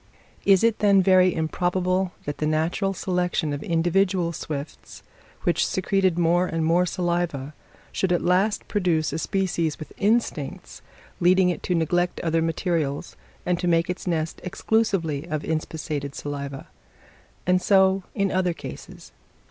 Is it then very improbable that the natural selection of individual swifts, which secreted more and more saliva, should at last produce a species with instincts leading it to neglect other materials and to make its nest exclusively of inspissated saliva? And so in other cases.